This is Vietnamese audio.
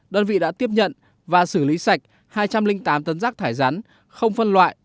đơn vị đã tiếp nhận và xử lý sạch hai trăm linh tám tấn rác thải rắn không phân loại